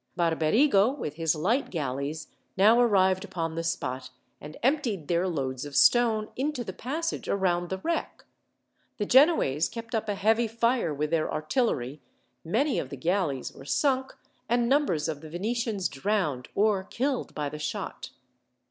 Barberigo, with his light galleys, now arrived upon the spot, and emptied their loads of stone into the passage around the wreck. The Genoese kept up a heavy fire with their artillery, many of the galleys were sunk, and numbers of the Venetians drowned, or killed by the shot.